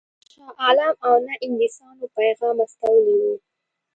نه شاه عالم او نه انګلیسیانو پیغام استولی وو.